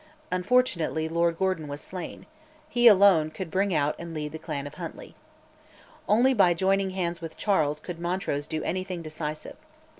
Unfortunately, Lord Gordon was slain: he alone could bring out and lead the clan of Huntly. Only by joining hands with Charles could Montrose do anything decisive.